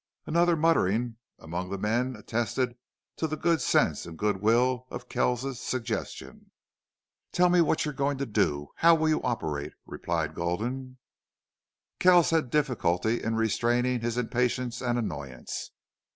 Another muttering among the men attested to the good sense and good will of Kells's suggestion. "Tell me what you're going to do how you'll operate," replied Gulden. Keils had difficulty in restraining his impatience and annoyance.